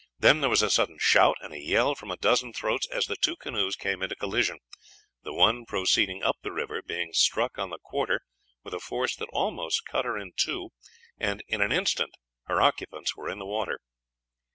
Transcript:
Then there was a sudden shout and a yell from a dozen throats, as the two canoes came into collision, the one proceeding up the river being struck on the quarter with a force that almost cut her in two, and in an instant her occupants were in the water.